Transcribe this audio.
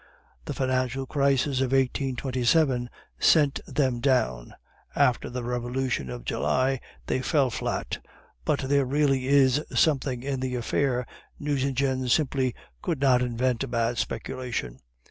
The financial crisis of 1827 sent them down; after the Revolution of July they fell flat; but there really is something in the affair, Nucingen simply could not invent a bad speculation.